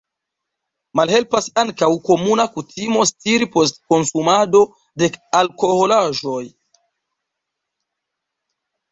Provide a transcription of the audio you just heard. Malhelpas ankaŭ komuna kutimo stiri post konsumado de alkoholaĵoj.